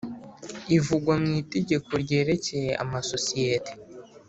ivugwa mu Itegeko ryerekeye amasosiyete